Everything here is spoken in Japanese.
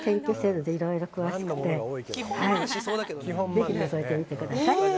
ぜひ、のぞいてみてください。